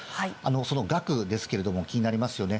その額ですけれども、気になりますよね。